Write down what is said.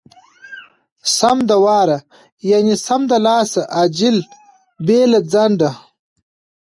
سم د واره= سملاسې، عاجل، بې له ځنډه.